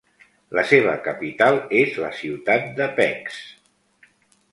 La seva capital és la ciutat de Pécs.